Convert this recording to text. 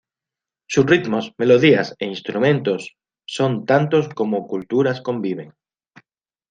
Sus ritmos, melodías e instrumentos son tantos como culturas conviven.